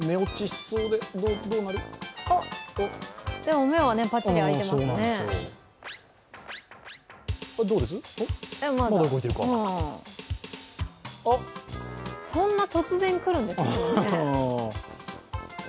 そんな突然来るんですかね？